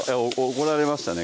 怒られましたね